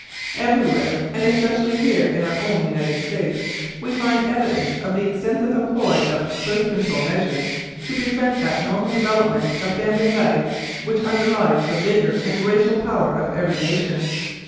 Everywhere and especially here in our own United States, we find evidence of the extensive employ of "birth control" measures to prevent that normal development of family life which underlies the vigor and racial power of every nation.